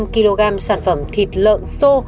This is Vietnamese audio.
một trăm hai mươi năm kg sản phẩm thịt lợn xô